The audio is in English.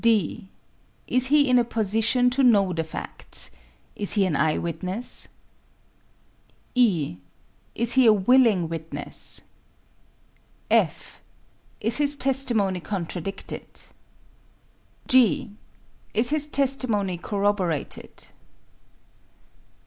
(d) Is he in a position to know the facts? Is he an eye witness? (e) Is he a willing witness? (f) Is his testimony contradicted? (g) Is his testimony corroborated?